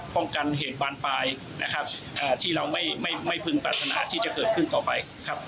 ป้องกันเหตุบานปลายที่ไม่พึงการปรัสนาให้เกิดขึ้นต่อไป